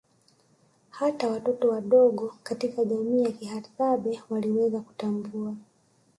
Hata watoto wadogo katika jamii ya hadzabe waliweza kutambua